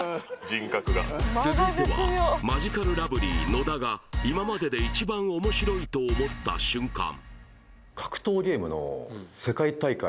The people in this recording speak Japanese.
人格が続いてはマヂカルラブリー・野田が今までで一番面白いと思った瞬間